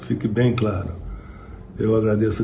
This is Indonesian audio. saya mengucapkan dengan hati hati